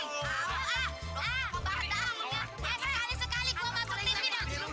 itu masa tv dong